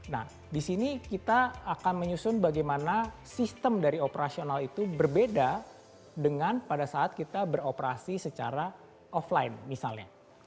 nah di sini kita akan menyusun bagaimana sistem dari operasional itu berbeda dengan pada saat kita beroperasi secara offline misalnya